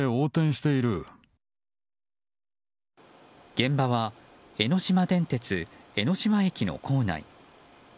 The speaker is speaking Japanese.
現場は江ノ島電鉄江ノ島駅の構内。